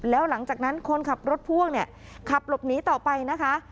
แล้วหลังจากนั้นคนขับรถพ่วงเนี่ยขับหลบหนีต่อไปนะคะ